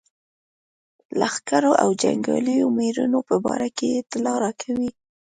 لښکرو او جنګیالیو مېړنو په باره کې اطلاع راکوي.